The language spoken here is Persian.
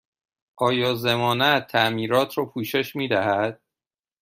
آیا ضمانت تعمیرات را پوشش می دهد؟